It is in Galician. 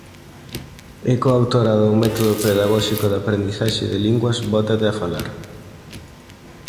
É coautora do método pedagóxico de aprendizaxe de linguas "Bótate a falar".